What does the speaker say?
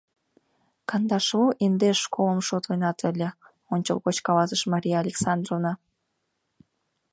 — Кандашлу индеш школым шотленат ыле, — ончылгоч каласыш Мария Александровна.